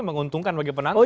menguntungkan bagi penantangan